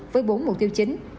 với bốn mục tiêu chính